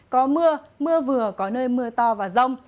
có mưa mưa vừa có nơi mưa to và rông